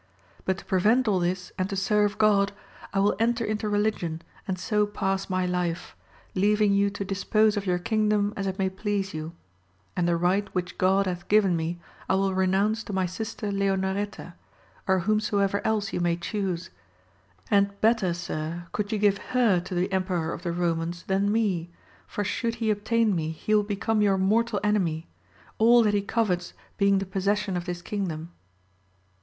But to prevent all this and to serve God, I will enter into religion and so pass my life, leaving you to dispose of your kingdom as it may please you ; and the right which Godhath given me, I will renounce to my sistOT Leonoreta, or whomsoever else you may chuse, and better sir, could you give her to the emperor of the Romans than me, for should he obtain me, he will become your mortal enemy ; all that he covets being the possession of this kingdom.